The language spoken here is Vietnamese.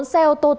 bốn xe ô tô tăng